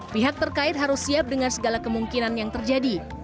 pihak terkait harus siap dengan segala kemungkinan yang terjadi